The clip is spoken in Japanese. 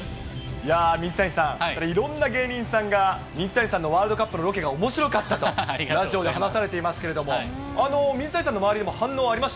いやー、水谷さん、いろんな芸人さんが、水谷さんのワールドカップのロケがおもしろかったと、ラジオで話されていますけれども、水谷さんの周りでも反応ありまし